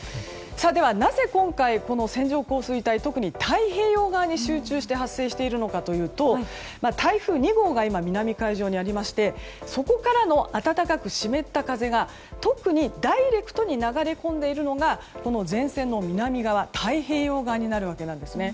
ではなぜ、今回この線状降水帯が特に太平洋側に集中して発生しているのかというと台風２号が南の海上にありましてそこからの暖かく湿った風が特にダイレクトに流れ込んでいるのが前線の南側太平洋側になるわけなんですね。